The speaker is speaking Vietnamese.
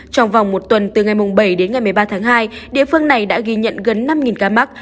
trong vòng một tuần từ ngày bảy đến ngày một mươi ba tháng hai địa phương này đã ghi nhận gần năm ca mắc